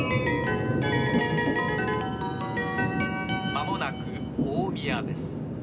「まもなく大宮です」